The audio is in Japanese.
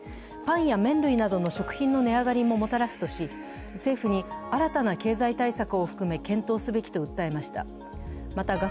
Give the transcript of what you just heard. パンや麺類などの食品の値上がりももたらすとし、政府に新たな経済対策を含め検討すべきと訴えました。